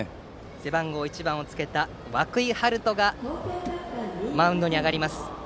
背番号１番をつけた涌井陽斗がマウンドに上がります。